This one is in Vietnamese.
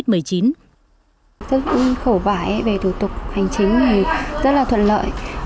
tất cả những khẩu vải về thủ tục hành chính rất là thuận lợi